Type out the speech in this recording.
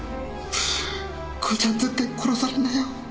幸ちゃん絶対殺されるなよ。